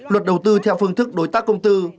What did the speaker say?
luật đầu tư theo phương thức đối tác công tư